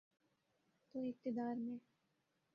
تو اقتدار میں۔